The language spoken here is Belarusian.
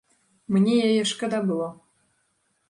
Мне яе шкада было.